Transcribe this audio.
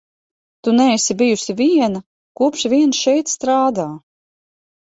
Tu neesi bijusi viena, kopš vien šeit strādā.